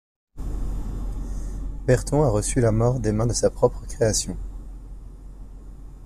Bertron a reçu la mort des mains de sa propre création.